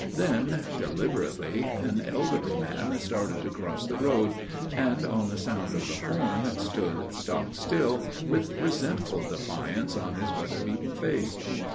Then, deliberately, an elderly man started to cross the road, and on the sound of the horn stood stock still, with resentful defiance on his weather beaten face.